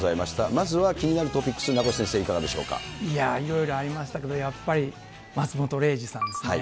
まずは気になるトピックス、名越先生、いやぁ、いろいろありましたけど、やっぱり松本零士さんですね。